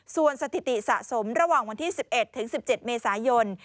ส่วนสถิติสะสมระหว่างวันที่๑๑ถึง๑๗เมษายน